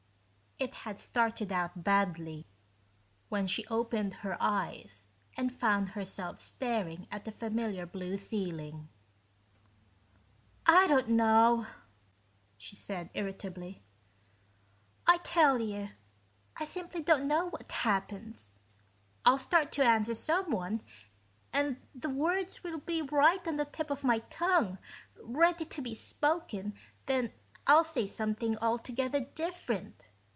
It had started out badly when she opened her eyes and found herself staring at a familiar blue ceiling. "I don't know," she said irritably. "I tell you, I simply don't know what happens. I'll start to answer someone and the words will be right on the tip of my tongue, ready to be spoken, then I'll say something altogether different.